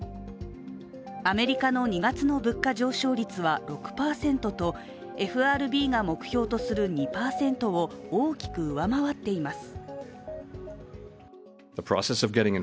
アメリカの２月の物価上昇率は６％とＦＲＢが目標とする２％を大きく上回っています。